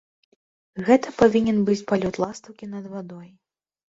Гэта павінен быць палёт ластаўкі над вадой.